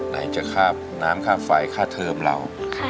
ไหนจะข้าบน้ำข้าบไฟข้าบเทิมเรา